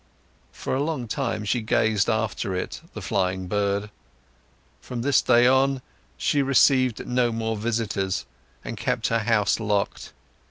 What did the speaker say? For a long time, she gazed after it, the flying bird. From this day on, she received no more visitors and kept her house locked.